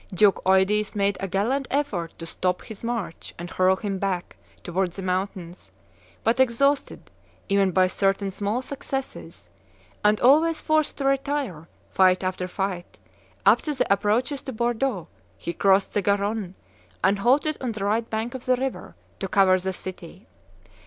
Duke Eudes made a gallant effort to stop his march and hurl him back towards the mountains; but exhausted, even by certain small successes, and always forced to retire, fight after fight, up to the approaches to Bordeaux, he crossed the Garonne, and halted on the right bank of the river, to cover the city.